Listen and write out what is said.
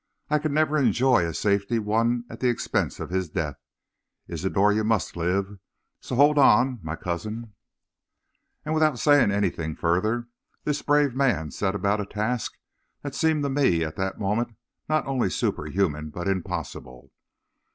I could never enjoy a safety won at the expense of his death. Isidor, you must live! So hold on, my cousin.' "And without saying anything further, this brave man set about a task that seemed to me at that moment not only superhuman but impossible.